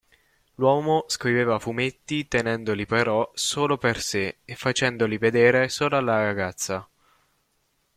L'uomo scriveva fumetti tenendoli però solo per se e facendoli vedere solo alla ragazza.